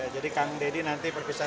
jadi kang deddy nanti perpisahan